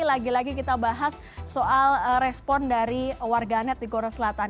lagi lagi kita bahas soal respon dari warganet di korea selatan